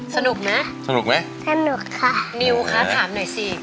สนุกไหมสนุกไหมสนุกค่ะนิวคะถามหน่อยสิ